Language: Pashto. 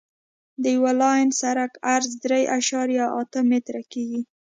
د یو لاین سرک عرض درې اعشاریه اته متره کیږي